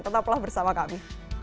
tetaplah bersama kami